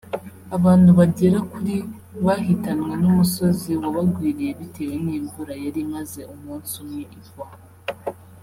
abantu bagera kuri bahitanwe n’umusozi wabagwiriye bitewe n’imvura yari imaze umunsi umwe igwa